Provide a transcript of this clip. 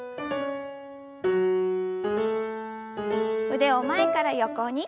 腕を前から横に。